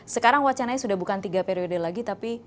sekarang wacananya sudah bukan tiga periode lagi tapi